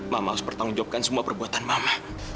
mama harus bertanggung jawabkan semua perbuatan mama